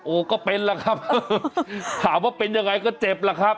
โอ้ก็เป็นแหละครับถามว่าเป็นอย่างไรก็เจ็บแหละครับ